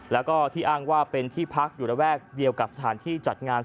แล้วก็ที่อ้างว่าเป็นที่พักอยู่ระแวกเดียวกับสถานที่จัดงาน